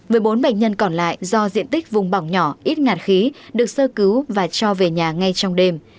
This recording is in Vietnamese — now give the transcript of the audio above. với bốn bệnh nhân còn lại do diện tích vùng bỏng nhỏ ít ngạt khí được sơ cứu và cho về nhà ngay trong đêm